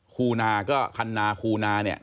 ครูนาก็คันนาคูนาเนี่ย